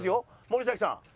森咲さん。